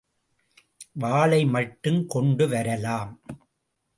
வாளை மட்டும் கொண்டு வரலாம்.